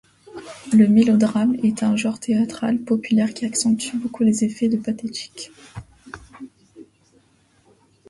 Le mélodrame est un genre théâtral populaire qui accentue beaucoup les effets de pathétique.